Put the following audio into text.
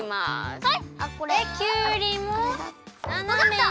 はい！